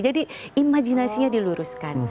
jadi imajinasinya diluruskan